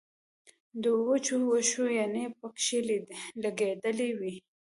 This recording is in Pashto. د وچو وښو پانې پکښې لګېدلې وې